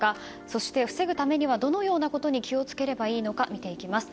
そして防ぐためにはどのようなことに気を付ければいいのか見ていきます。